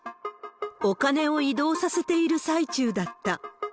お金を移動させている最中だった。